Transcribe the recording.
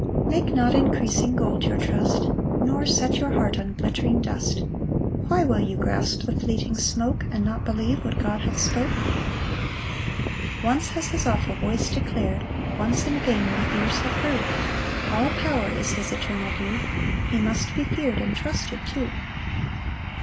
4 Make not increasing gold your trust, Nor set your heart on glittering dust; Why will you grasp the fleeting smoke; And not believe what God hath spoke? 5 Once has his awful voice declar'd, Once and again my ears have heard, "All power is his eternal due; "He must be fear'd and trusted too."